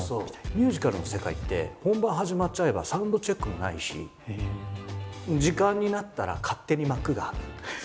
ミュージカルの世界って本番始まっちゃえばサウンドチェックもないし時間になったら勝手に幕が開く。